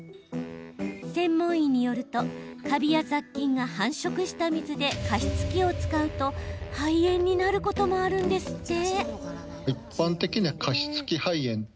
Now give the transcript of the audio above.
専門医によると、カビや雑菌が繁殖した水で加湿器を使うと肺炎になることもあるんですって。